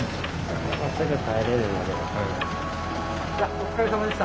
お疲れさまでした。